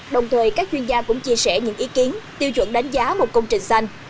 đồng thời các chuyên gia cũng chia sẻ những ý kiến tiêu chuẩn đánh giá một công trình xanh